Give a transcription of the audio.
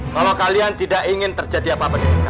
kalau kalian tidak ingin terjadi apa apa di kita